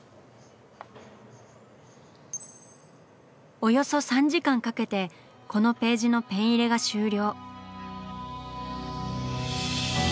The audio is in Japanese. およそ３時間かけてこのページのペン入れが終了。